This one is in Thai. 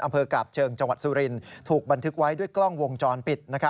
อำเภอกาบเชิงจังหวัดสุรินถูกบันทึกไว้ด้วยกล้องวงจรปิด